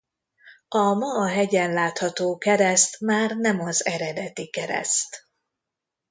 A ma a hegyen látható kereszt már nem az eredeti kereszt.